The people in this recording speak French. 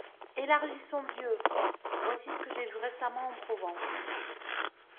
Élargissons Dieu ! Voici ce que j'ai vu récemment en Provence.